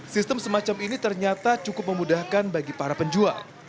sistem semacam ini ternyata cukup memudahkan bagi para penjual